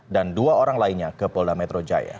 dan dua orang lainnya ke polda metro jaya